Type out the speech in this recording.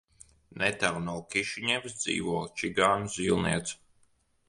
Netālu no Kišiņevas dzīvo čigānu zīlniece.